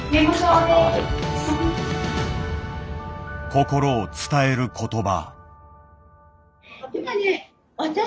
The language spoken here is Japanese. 心を伝える言葉。